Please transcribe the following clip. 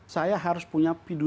saya harus punya